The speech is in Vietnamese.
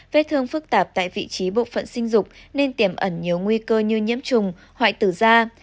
vết thương phức tạp tại vị trí bộ phận sinh dục nên tiềm ẩn nhiều nguy cơ như nhiễm trùng hoại tử da